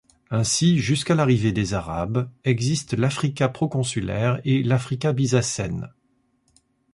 Ainsi, jusqu'à l'arrivée des Arabes, existent l'Africa proconsulaire et l'Africa Byzacène.